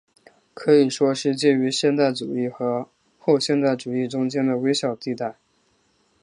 可以说是介于现代主义和后现代主义中间的微小地带。